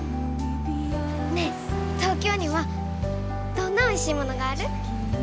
ねえ東京にはどんなおいしいものがある？